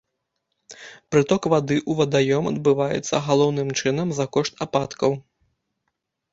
Прыток вады ў вадаём адбываецца, галоўным чынам, за кошт ападкаў.